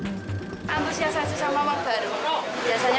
biasanya kan kalau lebaran identik sama uang baru tidak beli